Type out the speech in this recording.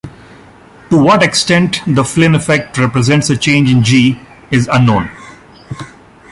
To what extent the Flynn effect represents a change in "g" is unknown.